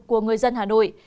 của người dân hà nội